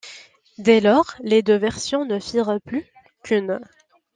Dès lors, les deux versions ne firent plus qu'une.